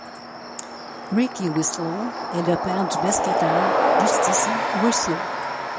Rickie Winslow est le père du basketteur Justise Winslow.